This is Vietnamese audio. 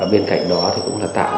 bên cạnh đó thì cũng là tạo